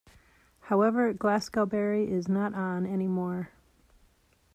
However Glasgowbury is not on anymore.